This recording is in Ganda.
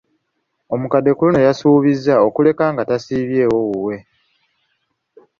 Omukadde ku luno yasuubizza okuleka nga tasibyewo wuwe.